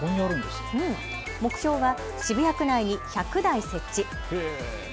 目標は渋谷区内に１００台設置。